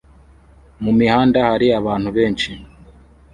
Mu mihanda hari abantu benshi